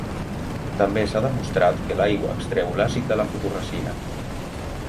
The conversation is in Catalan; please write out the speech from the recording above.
També s'ha demostrat que l'aigua extreu l'àcid de la fotoresina.